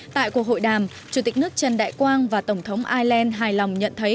tại cuộc hội đàm chủ tịch nước trần đại quang và tổng thống ireland hài lòng nhận thấy